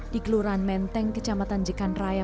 di kelurahan menteng kecamatan jekan raya